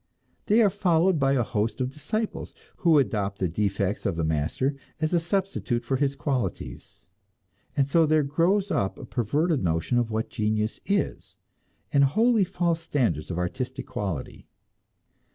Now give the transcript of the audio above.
They are followed by a host of disciples, who adopt the defects of the master as a substitute for his qualities. And so there grows up a perverted notion of what genius is, and wholly false standards of artistic quality.